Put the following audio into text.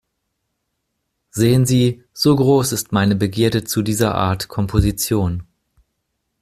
Sehen Sie, so groß ist meine Begierde zu dieser Art Composition.